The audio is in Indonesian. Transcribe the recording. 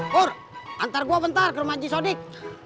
pur antar gua bentar ke rumah jisodik